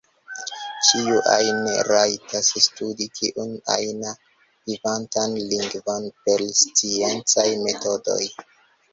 Ĉiu ajn rajtas studi kiun ajn vivantan lingvon per sciencaj metodoj.